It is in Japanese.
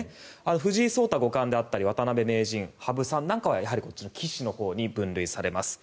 藤井聡太五冠であったり渡辺名人、羽生さんはやはり棋士のほうに分類されます。